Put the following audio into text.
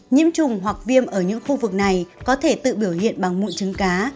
nhiễm trùng hoặc viêm ở những khu vực này có thể tự biểu hiện bằng mụn trứng cá